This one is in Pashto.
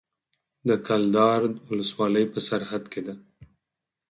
د کلدار ولسوالۍ په سرحد کې ده